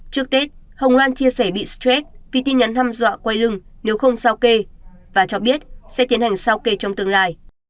trước tết hồng loan chia sẻ bị stress vì tin nhắn hăm dọa quay lưng nếu không sao kê và cho biết sẽ tiến hành sao kê trong tương lai